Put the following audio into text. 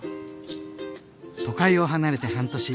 都会を離れて半年。